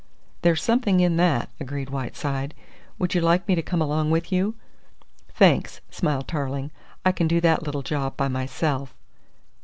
"There's something in that," agreed Whiteside. "Would you like me to come along with you?" "Thanks," smiled Tarling, "I can do that little job by myself."